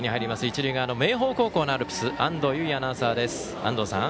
一塁側の明豊高校のアルプス安藤結衣アナウンサーです。